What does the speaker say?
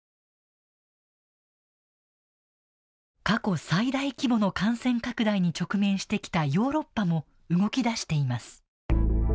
過去最大規模の感染拡大に直面してきたヨーロッパも動き出しています。